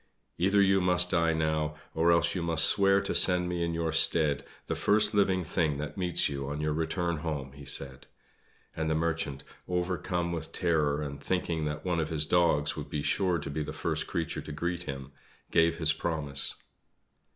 "Either you must die now, or else you must swear to send me in your stead the first living thing that meets you on your return home," he said; and the Merchant, overcome with terror, and thinking that one of his dogs would be sure to be the first creature to greet him, gave his promise.